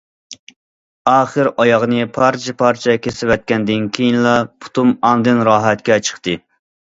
ئاخىر ئاياغنى پارچە- پارچە كېسىۋەتكەندىن كېيىنلا، پۇتۇم ئاندىن راھەتكە چىقتى.